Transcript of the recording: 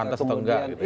pantas tonggak gitu ya